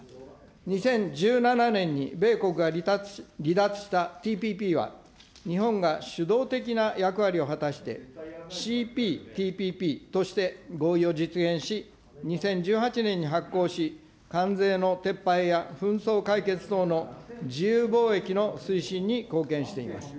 ２０１７年に米国が離脱したＴＰＰは、日本が主導的な役割を果たして、ＣＰＴＰＰとして合意を実現し、２０１８年に発効し、関税の撤廃や紛争解決等の自由貿易の推進に貢献しています。